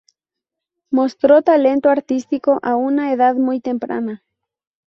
Mostró talento artístico a una edad muy temprana.